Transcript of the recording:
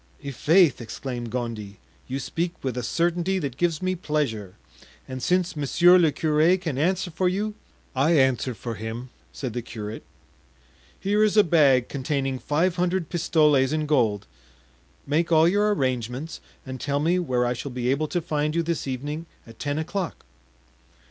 "I'faith!" exclaimed Gondy, "you speak with a certainty that gives me pleasure; and since monsieur le curé can answer for you——" "I answer for him," said the curate. "Here is a bag containing five hundred pistoles in gold; make all your arrangements, and tell me where I shall be able to find you this evening at ten o'clock."